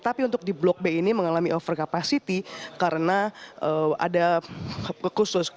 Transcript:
tapi untuk di blok b ini mengalami overcapacity karena ada kekhusus